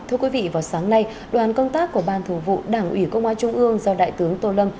thưa quý vị vào sáng nay đoàn công tác của ban thường vụ đảng ủy công an trung ương do đại tướng tô lâm